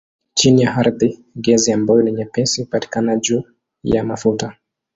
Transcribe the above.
Chini ya ardhi gesi ambayo ni nyepesi hupatikana juu ya mafuta.